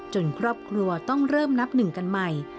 ครอบครัวต้องเริ่มนับหนึ่งกันใหม่